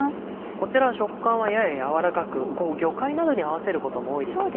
こちら食感はやや軟らかく魚介などに合わせることも多いですよね。